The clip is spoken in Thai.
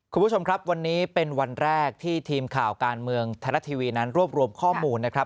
คุณผู้ชมครับวันนี้เป็นวันแรกที่ทีมข่าวการเมืองไทยรัฐทีวีนั้นรวบรวมข้อมูลนะครับ